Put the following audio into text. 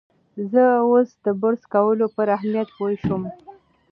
زه اوس د برس کولو پر اهمیت پوه شوم.